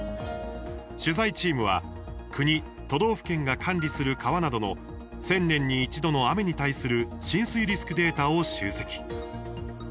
取材チームは、国、都道府県が管理する川などの１０００年に一度の雨に対する浸水リスクデータを集積。